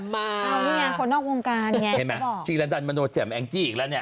เห็นไหมชีวิตดันมโนเจ็บแอ๊งจี้อีกแล้วเนี่ย